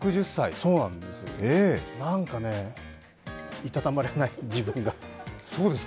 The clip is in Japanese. なんか、いたたまれない、自分が。